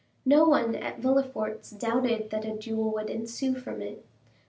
No one at Villefort's doubted that a duel would ensue from it.